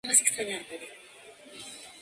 Angie Marte encargada de visual y media.